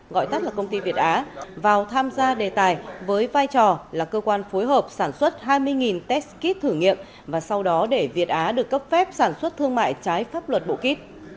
gọi tắt là công ty việt á vào tham gia đề tài với vai trò là cơ quan phối hợp sản xuất hai mươi test kit thử nghiệm và sau đó để việt á được cấp phép sản xuất thương mại trái pháp luật bộ kít